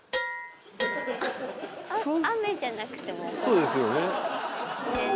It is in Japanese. そうですよね。